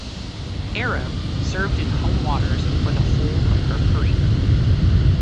"Arab" served in home waters for the whole of her career.